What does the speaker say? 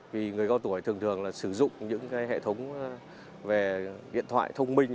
vì người cao tuổi thường thường sử dụng những hệ thống về điện thoại thông minh